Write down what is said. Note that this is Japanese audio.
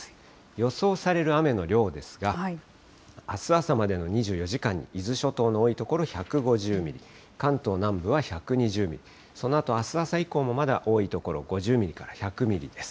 予想される雨の量ですが、あす朝までの２４時間に、伊豆諸島の多い所１５０ミリ、関東南部は１２０ミリ、そのあとあす朝以降も、まだ多い所、５０ミリから１００ミリです。